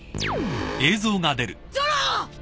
ゾロ！！